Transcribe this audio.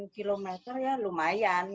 dua delapan kilometer ya lumayan